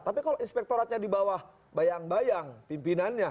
tapi kalau inspektoratnya di bawah bayang bayang pimpinannya